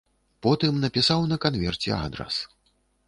Потым напісаў на канверце адрас.